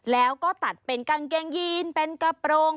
แล้วก็ตัดเป็นกางเกงยีนเป็นกระโปรง